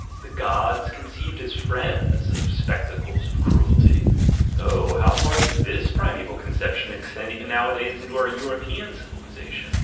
The gods conceived as friends of spectacles of cruelty — oh, how far does this primeval conception ex tend even nowadays into our European civilisation!